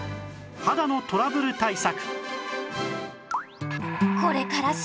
肌のトラブル対策